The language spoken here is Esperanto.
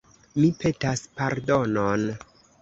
Mi petas pardonon.